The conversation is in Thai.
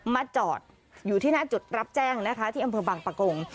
มาจอดอยู่ที่หน้าจุดรับแจ้งนะคะที่อำเภอบางปะกง